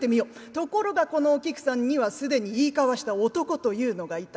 ところがこのお菊さんには既に言い交わした男というのがいた。